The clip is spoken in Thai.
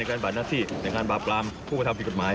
ในการบาดนักศิษย์ในการบาปรามผู้ประทับผิดกฎหมาย